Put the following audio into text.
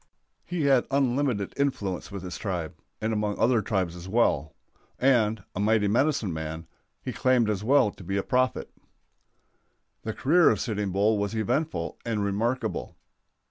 He had unlimited influence with his tribe, and among other tribes as well; and, a mighty medicine man, he claimed as well to be a prophet. The career of Sitting Bull was eventful and remarkable.